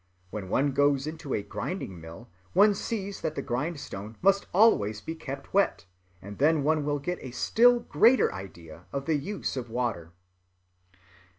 When one goes into a grinding‐ mill one sees that the grindstone must always be kept wet and then one will get a still greater idea of the use of water."